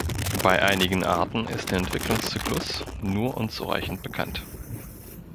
Bei einigen Arten ist der Entwicklungszyklus nur unzureichend bekannt.